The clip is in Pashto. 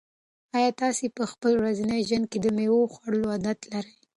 آیا تاسو په خپل ورځني ژوند کې د مېوو خوړلو عادت لرئ؟